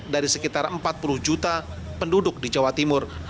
dari sekitar empat puluh juta penduduk di jawa timur